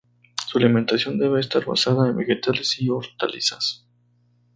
Su alimentación debe estar basada en vegetales y hortalizas.